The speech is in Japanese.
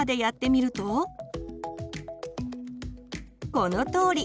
このとおり！